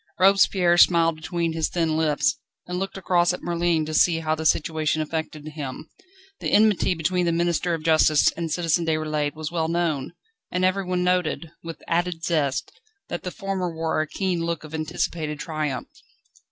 Robespierre smiled between his thin lips, and looked across at Merlin to see how the situation affected him. The enmity between the Minister of Justice and Citizen Déroulède was well known, and everyone noted, with added zest, that the former wore a keen look of anticipated triumph.